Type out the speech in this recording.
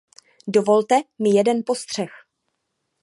Dovolte mi jeden postřeh.